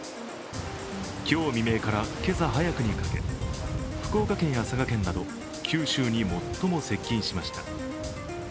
今日未明から今朝早くにかけ福岡県や佐賀県など九州に最も接近しました。